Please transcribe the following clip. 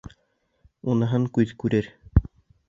Уныһын күҙ күрер.